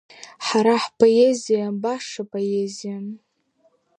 Ҳара ҳпоезиа баша поезиам!